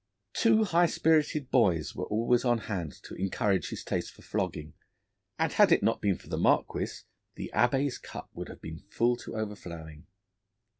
Two high spirited boys were always at hand to encourage his taste for flogging, and had it not been for the Marquis, the Abbé's cup would have been full to overflowing.